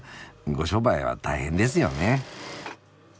ご商売は大変ですよね。